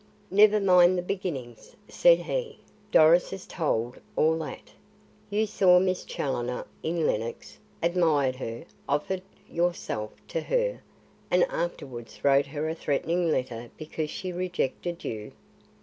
"Never mind the beginnings," said he. "Doris has told all that. You saw Miss Challoner in Lenox admired her offered yourself to her and afterwards wrote her a threatening letter because she rejected you."